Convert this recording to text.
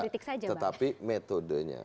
kita sudah kritik metodenya